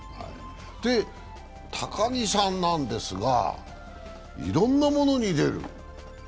高木さんなんですが、いろいろなものに出る。